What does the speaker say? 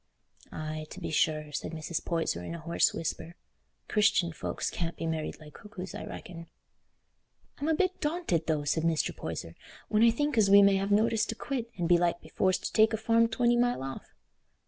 "Aye, to be sure," said Mrs. Poyser, in a hoarse whisper; "Christian folks can't be married like cuckoos, I reckon." "I'm a bit daunted, though," said Mr. Poyser, "when I think as we may have notice to quit, and belike be forced to take a farm twenty mile off."